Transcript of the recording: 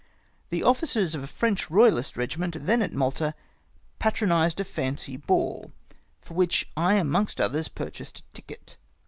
The officers of a French royalist regiment, then at Malta, patronised a fiincy ball, for which I amongst others purchased a ticket.